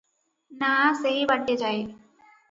ନାଆ ସେହି ବାଟେ ଯାଏ ।